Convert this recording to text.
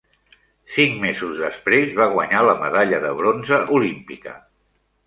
Cinc mesos després va guanyar la medalla de bronze olímpica.